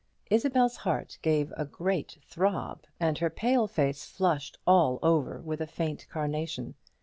Isabel's heart gave a great throb, and her pale face flushed all over with a faint carnation.